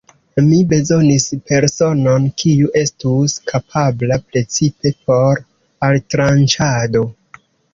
Mi bezonis personon, kiu estus kapabla precipe por altranĉado.